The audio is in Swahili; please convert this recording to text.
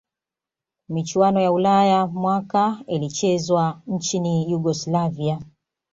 michuano ya ulaya mwaka ilichezwa nchini yugoslavia